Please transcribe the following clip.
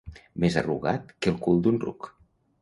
Més arrugat que el cul d'un ruc.